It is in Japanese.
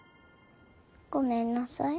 ごめんなさい。